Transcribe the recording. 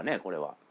これは。